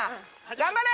頑張れ！